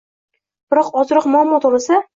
Biroq, ozroq muammo tug‘ilsa